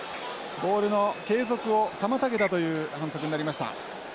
ボールの継続を妨げたという反則になりました。